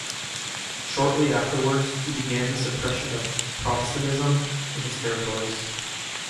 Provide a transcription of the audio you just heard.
Shortly afterwards, he began the suppression of Protestantism in his territories.